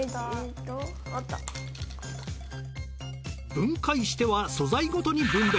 分解しては素材ごとに分別。